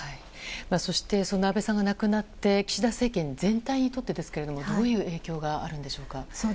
そしてそんな安倍さんが亡くなって岸田政権全体にとってどういう影響があるでしょうか。